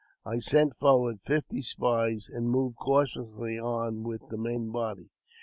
I sent forward fifty spies, and moved cautiously on with the main body.